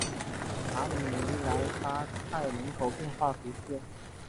马里尼莱沙泰人口变化图示